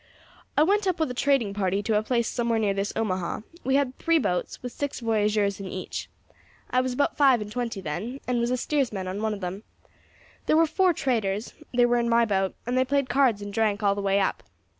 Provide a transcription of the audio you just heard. "I went up with a trading party to a place somewhere near this Omaha; we had three boats, with six voyageurs in each. I was about five and twenty then, and was steersman of one of them. There were four traders; they were in my boat, and they played cards and drank all the way up.